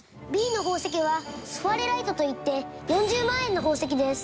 Ｂの宝石はスファレライトといって４０万円の宝石です。